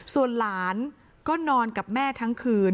ส่วนหลานก็นอนกับแม่ทั้งคืน